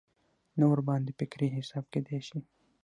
نه ورباندې فکري حساب کېدای شي.